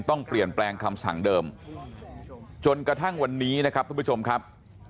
ต้องเปลี่ยนแปลงคำสั่งเดิมจนกระทั่งวันนี้นะครับทุกผู้ชมครับ